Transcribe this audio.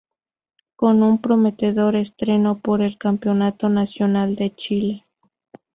Con un prometedor estreno por el Campeonato Nacional de Chile.